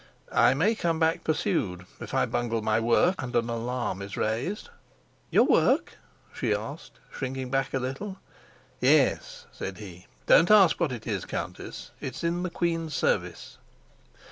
"I may come back pursued if I bungle my work and an alarm is raised." "Your work?" she asked, shrinking back a little. "Yes," said he. "Don't ask what it is, Countess. It is in the queen's service."